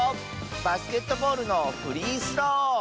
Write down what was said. バスケットボールのフリースロー！